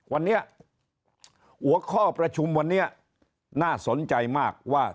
วันนี้หัวข้อประชุมวันนี้น่าสนใจมากว่า